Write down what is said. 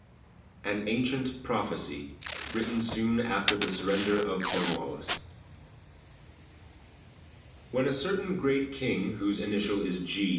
AN ANCIENT PROPHECY (Written soon after the surrender of Cornwallis) When a certain great King, whose initial is G.